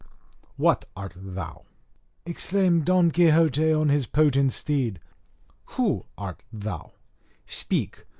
_ "What art thou?" exclaimed Don Quixote on his potent steed. "Who art thou? Speak!